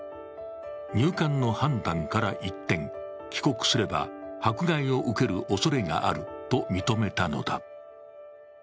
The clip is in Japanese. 入管の判断から一転、帰国すれば迫害を受けるおそれがあると認めたのだ。